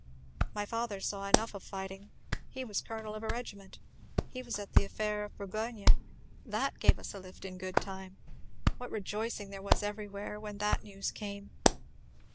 My father saw enough of fighting he was colonel of a regiment he was at the affair of Burgoyne. That gave us a lift in good time. What rejoicing there was everywhere when that news came!